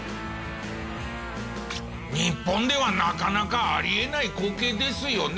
日本ではなかなかあり得ない光景ですよね。